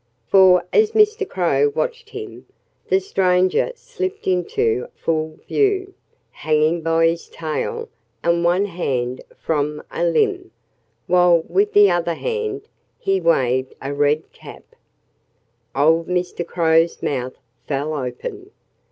For, as Mr. Crow watched him, the stranger slipped into full view, hanging by his tail and one hand from a limb, while with the other hand he waved a red cap. Old Mr. Crow's mouth fell open.